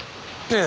ええ。